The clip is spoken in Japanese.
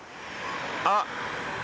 あっ